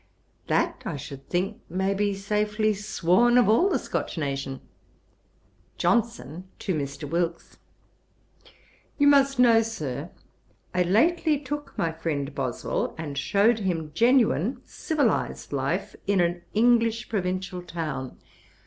'That, I should think, may be safely sworn of all the Scotch nation.' JOHNSON. (to Mr. Wilkes) 'You must know, Sir, I lately took my friend Boswell and shewed him genuine civilised life in an English provincial town.